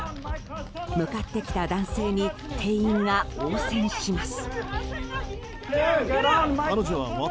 向かってきた男性に店員が応戦します。